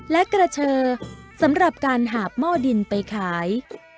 และกระเชอสำหรับการหาบหม้อดินไปขาย